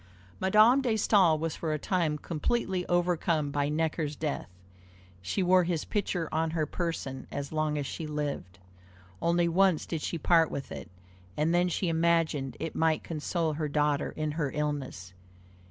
Madame de Staël was for a time completely overcome by Necker's death. She wore his picture on her person as long as she lived. Only once did she part with it, and then she imagined it might console her daughter in her illness.